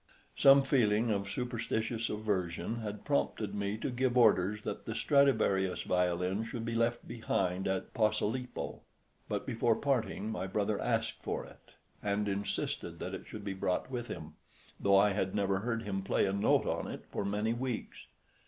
Some feeling of superstitious aversion had prompted me to give orders that the Stradivarius violin should be left behind at Posilipo. But before parting my brother asked for it, and insisted that it should be brought with him, though I had never heard him play a note on it for many weeks.